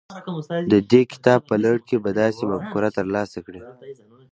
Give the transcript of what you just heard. د دې کتاب په لړ کې به داسې مفکوره ترلاسه کړئ.